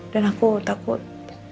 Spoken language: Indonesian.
dan aku takut